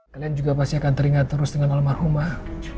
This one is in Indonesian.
kalian juga pasti akan teringat terus dengan almarhumah